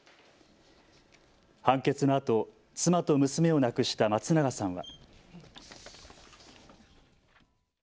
判決のあと妻と娘を亡くした松永さんは。